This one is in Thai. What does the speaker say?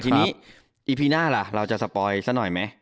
ทีนี้อีพีหน้าล่ะเราจะสปอยซะหน่อยไหม